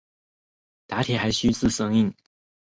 打铁还需自身硬。